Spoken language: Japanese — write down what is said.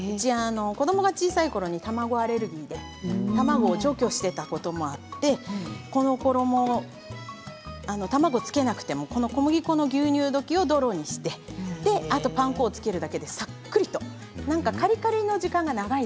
子どもが小さいころ卵アレルギーで卵を除去していたこともあってこちらの衣卵をつけなくてもこの小麦粉の牛乳だけを使ってパン粉をつけるだけでさっくりできます。